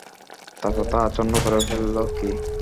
তারপর তা আচ্ছন্ন করে ফেলল কী।